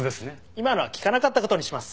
今のは聞かなかったことにします。